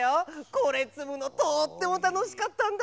これつむのとってもたのしかったんだ。